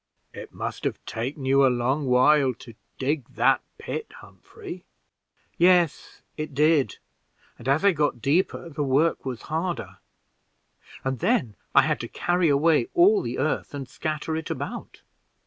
"It must have taken you a long while to dig that pit, Humphrey." "Yes, it did, and as I got deeper the work was harder, and then I had to carry away all the earth and scatter it about.